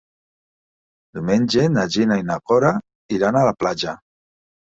Diumenge na Gina i na Cora iran a la platja.